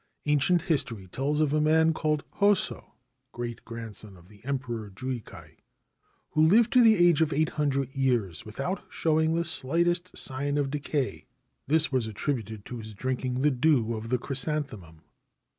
Ancient history tells of a man called Hoso (great grandson of the Emperor Juikai) who lived to the age of 800 years without showing the slightest sign of decay. This was attributed to his drinking the dew of the chrysanthemum.